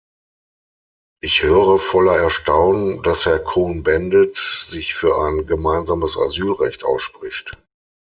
Ich höre voller Erstaunen, dass Herr Cohn-Bendit sich für ein gemeinsames Asylrecht ausspricht.